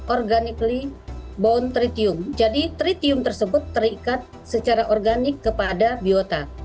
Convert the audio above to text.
organically bound tritium jadi tritium tersebut terikat secara organik kepada biota